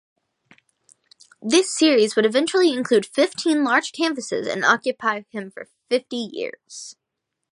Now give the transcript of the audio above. This series would eventually include fifteen large canvases and occupy him for fifty years.